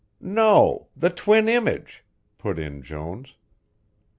"No, the twin image," put in Jones.